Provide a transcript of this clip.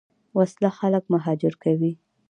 وسله خلک مهاجر کوي